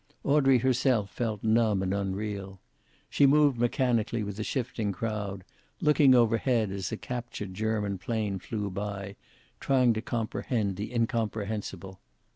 Audrey herself felt numb and unreal. She moved mechanically with the shifting crowd, looking overhead as a captured German plane flew by, trying to comprehend the incomprehensible.